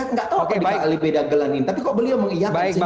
nggak tau apa di klb dagelanin tapi kok beliau mengiyakan